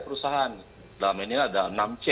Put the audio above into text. perusahaan dalam ini ada enam